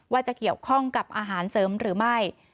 ว่าจะเกี่ยวข้องกับอาหารเสริมหรือไม่